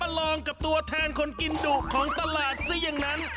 ลองกับตัวแทนคนกินดุของตลาดซะอย่างนั้น